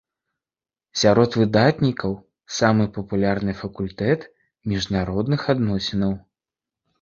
Сярод выдатнікаў самы папулярны факультэт міжнародных адносінаў.